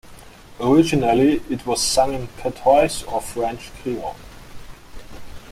Originally it was sung in patois or French creole.